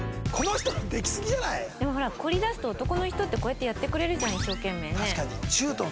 でもほら凝りだすと男の人ってこうやってやってくれるじゃん一生懸命ね。